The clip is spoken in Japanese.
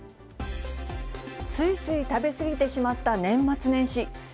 ついつい食べ過ぎてしまった年末年始。